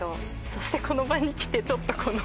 そしてこの場に来てちょっとこの。